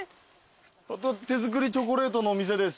「手づくりチョコレートのお店です